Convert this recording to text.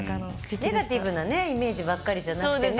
ネガティブなイメージばっかりじゃなくてね